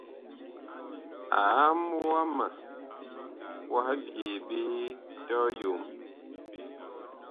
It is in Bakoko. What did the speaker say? Aam wama wah byee ɓe tɔyom.